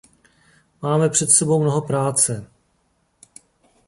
Máme před sebou mnoho práce.